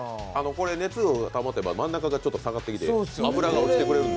熱を保てば真ん中が下がってきて油が落ちてくれるんで。